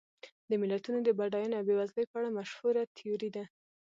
د ملتونو د بډاینې او بېوزلۍ په اړه مشهوره تیوري ده.